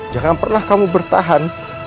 jangan pernah kamu bertahan